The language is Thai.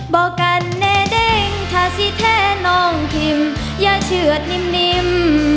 บอกกันแน่เด้งถ้าสิแท้น้องคิมอย่าเชื่อดนิ่ม